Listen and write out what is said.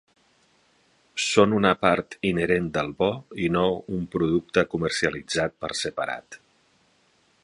Són una part inherent del bo i no un producte comercialitzat per separat.